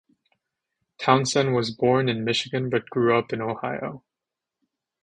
Townsend was born in Michigan but grew up in Ohio.